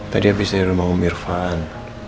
tadi abis dari rumah om irfan